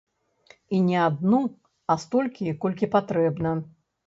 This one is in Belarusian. І не адну, а столькі, колькі патрэбна.